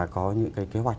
có những cái kế hoạch